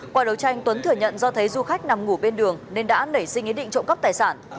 qua đấu tranh tuấn thừa nhận do thấy du khách nằm ngủ bên đường nên đã nảy sinh ý định trộm cắp tài sản